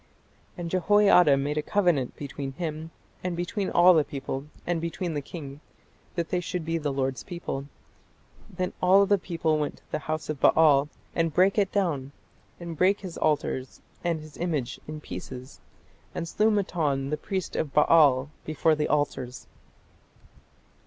"And Jehoiada made a covenant between him, and between all the people, and between the king, that they should be the Lord's people. Then all the people went to the house of Baal, and brake it down, and brake his altars and his images in pieces, and slew Mattan the priest of Baal before the altars."